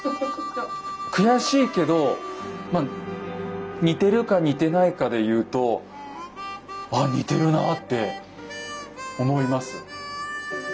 悔しいけどまあ似てるか似てないかで言うとあっ似てるなって思います。